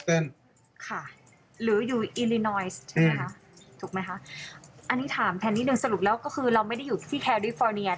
อันนี้ถามเพราะแผนนิ้วสรุปแล้วว่าคือเราไม่ได้อยู่ที่แคลดีโฟนีย่า